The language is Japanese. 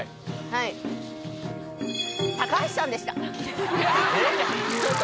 はい高橋さんでしたえっ？